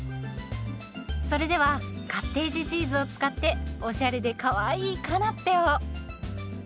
それではカッテージチーズを使っておしゃれでかわいいカナッペを。